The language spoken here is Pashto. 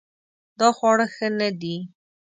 دا خواړه ښه نه دي